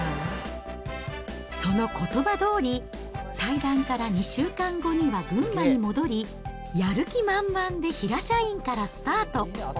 そのことばどおり、退団から２週間後には群馬に戻り、やる気満々で平社員からスタート。